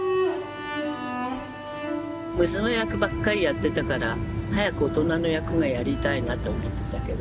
娘役ばっかりやってたから早く大人の役がやりたいなと思ってたけど。